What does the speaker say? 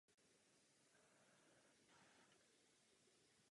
České království mělo výhradní právo na soudní svrchovanost.